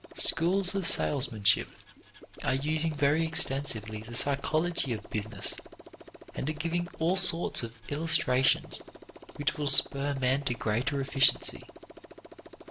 Schools of salesmanship are using very extensively the psychology of business and are giving all sorts of illustrations which will spur men to greater efficiency.